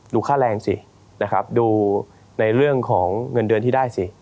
ค่าแรงสินะครับดูในเรื่องของเงินเดือนที่ได้สิ